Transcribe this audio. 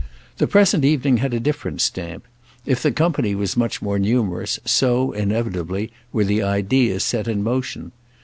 The present evening had a different stamp; if the company was much more numerous, so, inevitably, were the ideas set in motion.